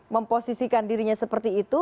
memposisikan dirinya seperti itu